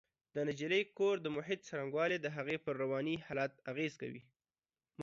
د نجلۍ د کور د محیط څرنګوالی د هغې پر رواني حالت اغېز کوي